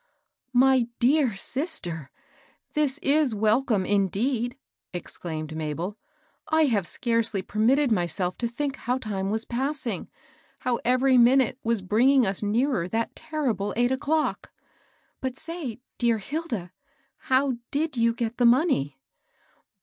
" My dear sister, this is welcome, indeed I " ex claimed Mabel. " I have scarcely permitted my self to think how time was passing, — how every minute was bringing us nearer that terrible eight o'clock. But say, dear Hilda, how did you get the money